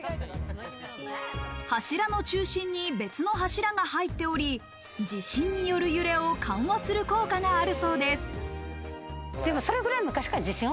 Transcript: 柱の中心に別の柱が入っており、地震による揺れを緩和する効果があるそうです。